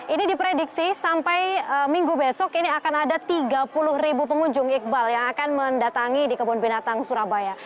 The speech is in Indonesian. ini diprediksi sampai minggu besok ini akan ada tiga puluh ribu pengunjung iqbal yang akan mendatangi di kebun binatang surabaya